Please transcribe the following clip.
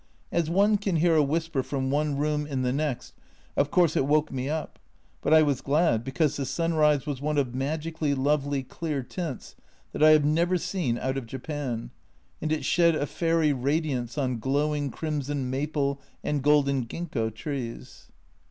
As one can hear a whisper from one room in the next, of course it woke me up, but I was glad, because the sunrise was one of magically lovely clear tints, that I have never seen out of Japan, and it shed a fairy radiance on glowing crimson maple and golden Ginkgo trees.